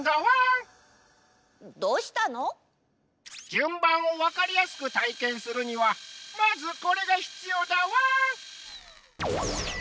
じゅんばんをわかりやすくたいけんするにはまずこれがひつようだワン！